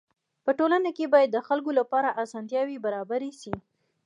په ټولنه کي باید د خلکو لپاره اسانتياوي برابري سي.